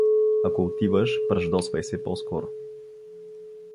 Ако отиваш, пръждосвай се по-скоро!